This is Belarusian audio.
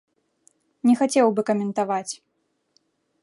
Не хацеў бы каментаваць.